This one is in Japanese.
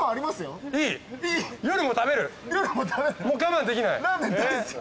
もう我慢できない。